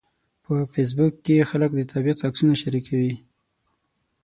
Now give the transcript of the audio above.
په فېسبوک کې خلک د طبیعت عکسونه شریکوي